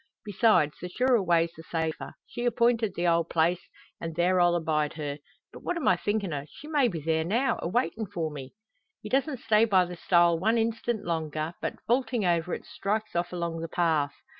Besides, the surer way's the safer. She appointed the old place, an' there I'll abide her. But what am I thinkin' o'? She may be there now, a waitin' for me!" He doesn't stay by the stile one instant longer, but, vaulting over it, strikes off along the path.